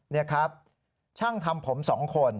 นี่ครับช่างทำผม๒คน